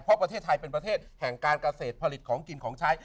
เพราะประเทศไทยเป็นประเทศแห่งการเกษตรผลิตของกินของใช้